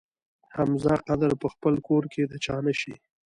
حمزه قدر په خپل کور کې د چا نه شي.